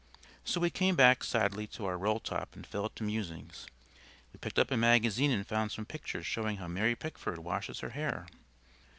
So we came back, sadly, to our rolltop and fell to musing. We picked up a magazine and found some pictures showing how Mary Pickford washes her hair.